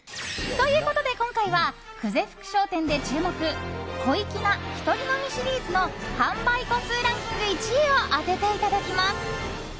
ということで今回は久世福商店で注目小粋な、ひとり飲みシリーズの販売個数ランキング１位を当てていただきます。